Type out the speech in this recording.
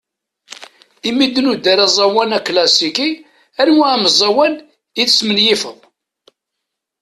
Imi d-nuder aẓawan aklasiki, anwa ameẓẓawan i tesmenyifeḍ?